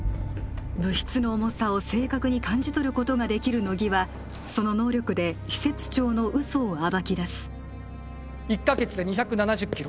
物質の重さを正確に感じ取ることができる乃木はその能力で施設長の嘘を暴き出す１カ月で２７０キロ